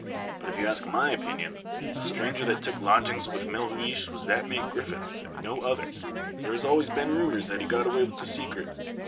But, if you ask my opinion, the stranger that took lodgings with Melhuish was the mate Griffiths, and no other. There has always been rumours that he got away with the secret.